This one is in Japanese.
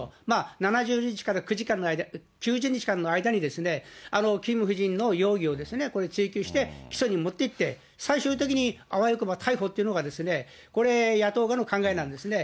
７０日から９０日間の間にですね、キム夫人の容疑をこれ、追及して、起訴に持っていって、最終的にあわよくば逮捕っていうのがですね、これ、野党側の考えなんですね。